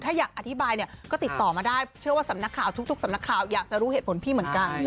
ถ้าอยากอธิบายเนี่ยก็ติดต่อมาได้เชื่อว่าสำนักข่าวทุกสำนักข่าวอยากจะรู้เหตุผลพี่เหมือนกัน